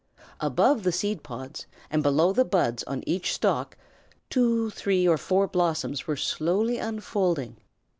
Above the seed pods and below the buds on each stalk two, three, or four blossoms were slowly unfolding.